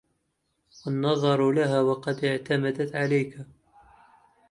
وَالنَّظَرُ لَهَا وَقَدْ اعْتَمَدَتْ عَلَيْك